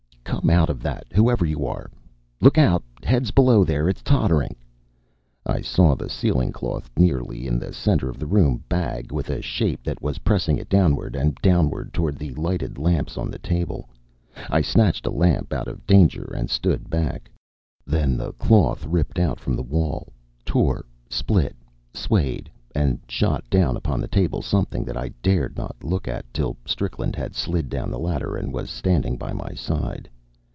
"Come out of that, whoever you are! Look out! Heads below there! It's tottering." I saw the ceiling cloth nearly in the centre of the room bag with a shape that was pressing it downward and downward toward the lighted lamps on the table. I snatched a lamp out of danger and stood back. Then the cloth ripped out from the walls, tore, split, swayed, and shot down upon the table something that I dared not look at till Strickland had slid down the ladder and was standing by my side.